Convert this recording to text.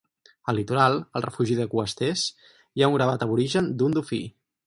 Al litoral, al refugi de Coasters, hi ha un gravat aborigen d'un dofí.